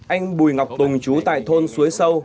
anh bùi ngọc tùng trú tại thôn suối sâu